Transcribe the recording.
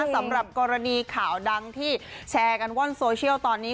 สำหรับกรณีข่าวดังที่แชร์กันว่อนโซเชียลตอนนี้